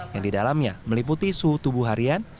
yang di dalamnya meliputi suhu tubuh harian